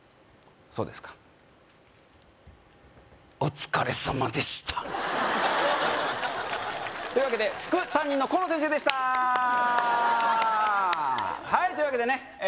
そうですかお疲れさまでした！というわけで副担任のコウノ先生でしたはいというわけでねええ